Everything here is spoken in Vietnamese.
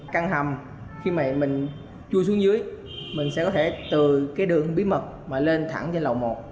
căn hầm khi mà mình chui xuống dưới mình sẽ có thể từ cái đường bí mật mà lên thẳng trên lầu một